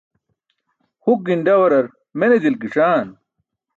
Huk ginḍawarar mene dilk gi̇c̣aan?